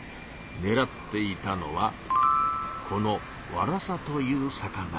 ねらっていたのはこのワラサという魚。